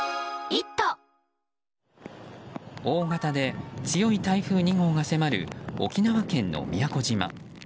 大型で強い台風２号が迫る沖縄県の宮古島。